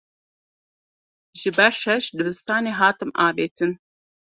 Ji ber şer ji dibistanê hatim avêtin.